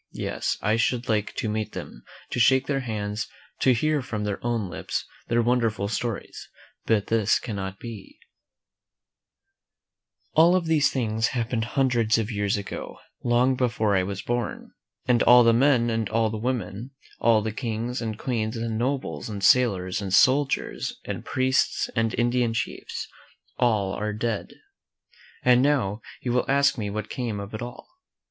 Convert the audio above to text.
Yes, I should like to meet them, to shake their hands, to hear from their own lips their wonderful stories; but this cannot be. THE 1 '^■■. MEN WHO FOUND AMERICA !wy| "^^ All of these things happened hundreds of years ago, long before I was born, and all the men and all the women, all the Kings, and Queens, and nobles, and sailors, and soldiers, and priests, and Indian chiefs — all are dead. And now you will ask me what came of it all.